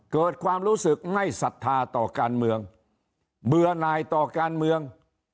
เกิดความรู้สึกไม่ศรัทธาต่อการเมืองเบื่อหน่ายต่อการเมือง